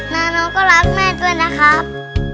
นานูก็รักแม่ตัวนะครับ